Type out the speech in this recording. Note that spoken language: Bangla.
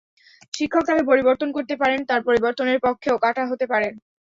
শিক্ষক তাকে পরিবর্তন করতে পারেন, তার পরিবর্তনের পক্ষে কাঁটাও হতে পারেন।